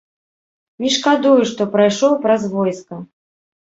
Не шкадую, што прайшоў праз войска.